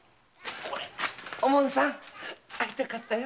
おもんさん逢いたかったよ。